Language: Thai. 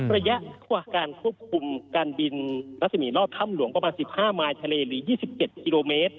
ระยะขวางการควบคุมการบินนัฐศิมีรอดค่ำหลวงประมาณ๑๕ไมล์ทะเลหรี่๒๗คม